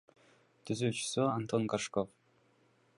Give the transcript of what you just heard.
Түзүүчүсү — Антон Горшков.